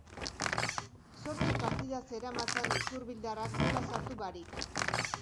Zortzi partida zeramatzan usurbildarrak gola sartu barik.